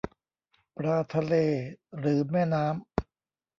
ปลาทะเลหรือแม่น้ำ ?